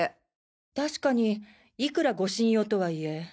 確かにいくら護身用とはいえ。